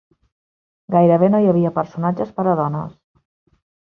Gairebé no hi havia personatges per a dones.